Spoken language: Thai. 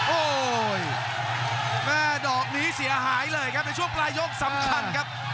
โอ้โหแม่ดอกนี้เสียหายเลยครับในช่วงปลายยกสำคัญครับ